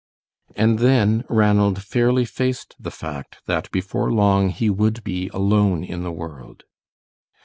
And then Ranald fairly faced the fact that before long he would be alone in the world.